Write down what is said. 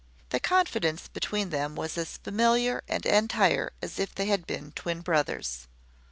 The confidence between them was as familiar and entire as if they had been twin brothers.